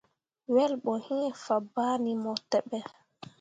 Wel ɓo iŋ fabaŋni mo teɓe.